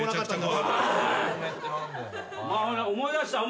思い出した。